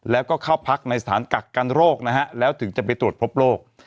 แล้วก็เข้าพักในสถานกักกันโรคนะฮะแล้วถึงจะไปตรวจพบโรค